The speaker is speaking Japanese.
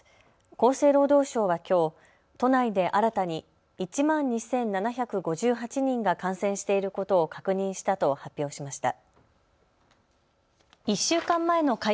厚生労働省はきょう都内で新たに１万２７５８人が感染していることを確認したと発表しました。